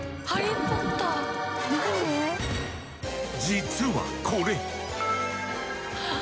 実はこれ。